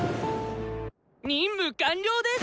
任務完了です！